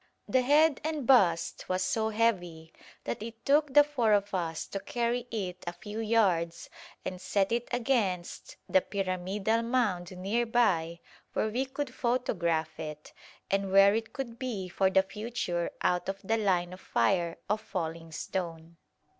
The head and bust was so heavy that it took the four of us to carry it a few yards and set it against the pyramidal mound near by where we could photograph it, and where it could be for the future out of the line of fire of falling stone.